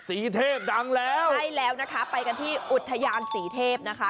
สีเทพดังแล้วใช่แล้วนะคะไปกันที่อุทยานศรีเทพนะคะ